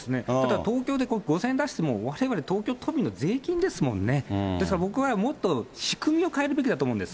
東京で５０００円出しても、われわれ東京都民の税金ですもんね、ですから僕はもっと仕組みを変えるべきだと思うんです。